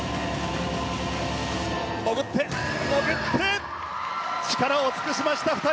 潜って、潜って力を尽くしました、２人。